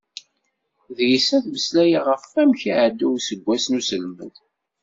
Deg-s ad mmeslayen ɣef wamek i iɛedda useggas n uselmed.